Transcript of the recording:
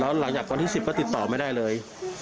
หลังจากวันที่๑๐ก็ติดต่อไม่ได้เลย